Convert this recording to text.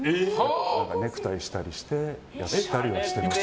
ネクタイしたりしてやったりはしていました。